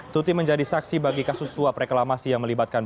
tuti menjadi saksi bagi kasus suap reklamasi yang melibatkan